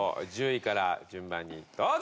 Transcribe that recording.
１０位から順番にどうぞ！